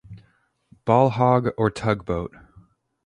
Ball-Hog or Tugboat?